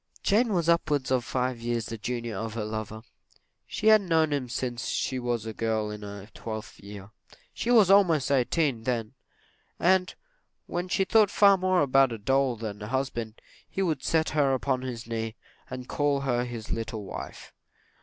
Jane was upwards of five years the junior of her lover. She had known him since she was a girl in her twelfth year. He was almost eighteen then; and, when she thought far more about a doll than a husband, he would set her upon his knee, and call her his little wife.